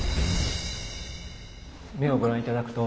目をご覧頂くと。